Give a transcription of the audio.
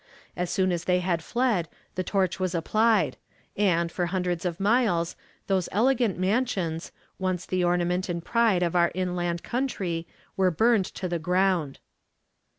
As soon as they had fled, the torch was applied, and, for hundreds of miles, those elegant mansions, once the ornament and pride of our inland country, were burned to the ground.